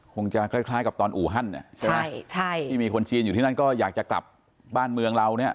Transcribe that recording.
คล้ายกับตอนอู่ฮั่นที่มีคนชีนอยู่ที่นั่นก็อยากจะกลับบ้านเมืองเราเนี่ย